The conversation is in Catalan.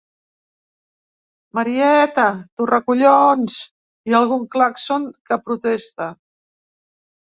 Marieta!’, ‘Torracollons!’ i algun clàxon que protesta.